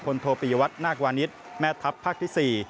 พลโทปียวัดนาควานิสแม่ทัพภักดิ์ที่๔